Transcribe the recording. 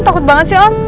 takut banget sih om